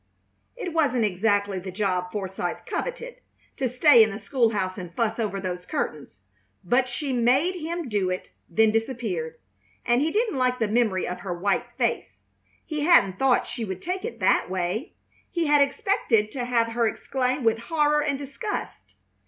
It wasn't exactly the job Forsythe coveted, to stay in the school house and fuss over those curtains; but she made him do it, then disappeared, and he didn't like the memory of her white face. He hadn't thought she would take it that way. He had expected to have her exclaim with horror and disgust.